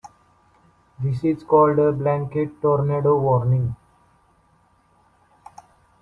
This is called a blanket tornado warning.